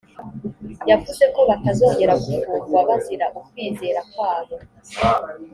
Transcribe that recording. yavuzeko batazongera gufungwa bazira ukwizera kwabo.